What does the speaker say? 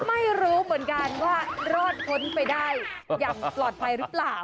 ไม่รู้เหมือนกันว่ารอดพ้นไปได้อย่างปลอดภัยหรือเปล่า